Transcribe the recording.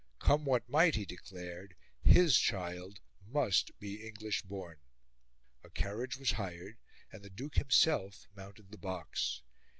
Come what might, he declared, his child must be English born. A carriage was hired, and the Duke himself mounted the box.